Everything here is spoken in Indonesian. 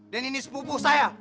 dan ini sepupu saya